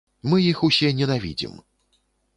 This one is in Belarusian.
Мы іх усе ненавідзім.